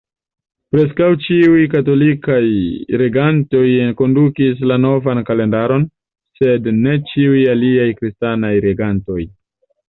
Preskaŭ ĉiuj katolikaj regantoj enkondukis la novan kalendaron, sed ne ĉiuj aliaj kristanaj regantoj.